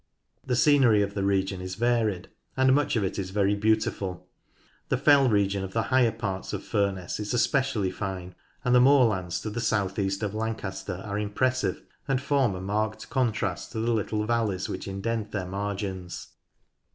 The scenery of the region is varied, and much of it is very beautiful. The fell region of the higher parts of Furness is especially fine, and the moorlands to the south east of Lancaster are impressive, and form a marked contrast to the little valleys which indent their margins.